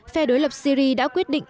phe đối lập syri đã quyết định